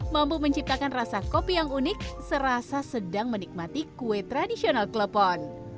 mampu menciptakan rasa kopi yang unik serasa sedang menikmati kue tradisional klepon